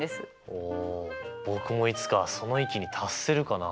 お僕もいつかその域に達せるかなあ？